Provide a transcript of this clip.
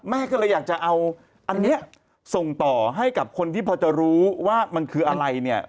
แม่ก็เลยอยากจะเอาอันนี้ส่งต่อให้กับคนที่พอจะรู้ว่ามันคืออะไรเนี่ย